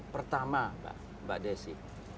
pertama mbak desi